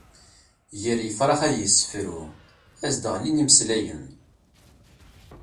Gar yifrax ad yessefru, ad s-d-ɣlin imeslayen.